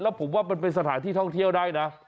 แล้วผมว่ามันเป็นสถานที่ท่องเที่ยวได้นะ